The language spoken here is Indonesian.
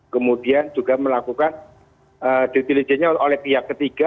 kemudian juga melakukan di diligennya oleh pihak ketiga